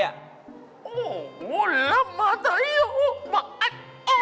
โอ้โฮลำมะใส่หูมักอัน